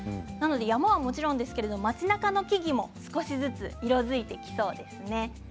山はもちろんですが街なかの木々も少しずつ色づいてきそうですね。